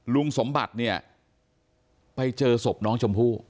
ลุงสมบัติเนี่ยไปเจอศพน้องชมพู่